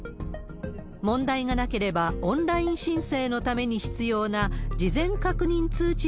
問題がなければ、オンライン申請のために必要な事前確認通知